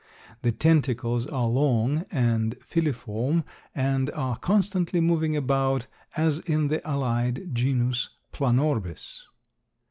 The tentacles are long and filiform and are constantly moving about as in the allied genus Planorbis.